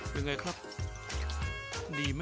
เป็นไงครับดีไหม